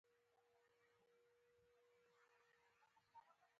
ستاسو تبه کمه شوه؟